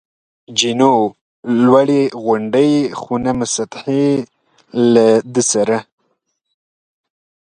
جینو: لوړې غونډۍ، خو نه مسطحې، له ده سره.